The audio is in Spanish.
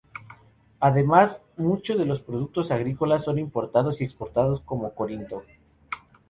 Además, mucho de los productos agrícolas son importados y exportados por Corinto.